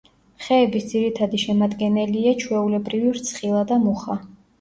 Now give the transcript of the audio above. ხეების ძირითადი შემადგენელია ჩვეულებრივი რცხილა და მუხა.